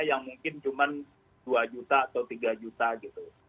yang mungkin cuma dua juta atau tiga juta gitu